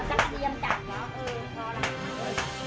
แปลกมีหัวใจ